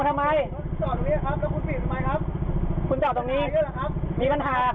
อ่าแล้วก็เลนที่ทักซี่จอดก็เป็นเลนเลี้ยวซ้ายด้วย